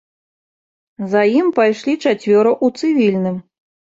За ім пайшлі чацвёра ў цывільным.